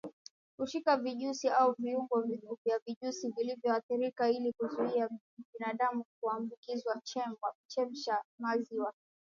kushika vijusi au viungo vya vijusi viliyoathirika Ili kuzuia binadamu kuambukizwa chemsha maziwa